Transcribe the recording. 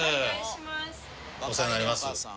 お世話になります。